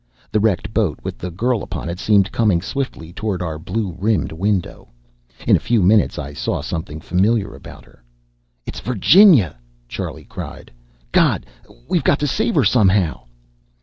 The wrecked boat with the girl upon it seemed coming swiftly toward our blue rimmed window. In a few minutes I saw something familiar about her. "It's Virginia!" Charlie cried. "God! We've got to save her, somehow!"